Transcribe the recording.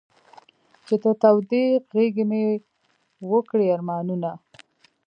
چې د تودې غېږې مې و کړې ارمانونه.